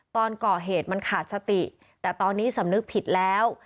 ตอนก่อเหตุมันขาดสติแต่ตอนนี้สำนึกผิดแล้ว